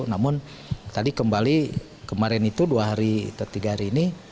namun kemarin itu dua hari atau tiga hari ini